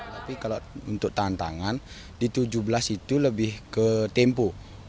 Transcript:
tapi kalau untuk tantangan di tujuh belas itu lebih ke tempo